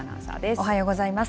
おはようございます。